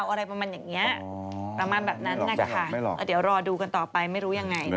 ไม่หรอกอะเดี๋ยวรอดูกันต่อไปไม่รู้ยังไง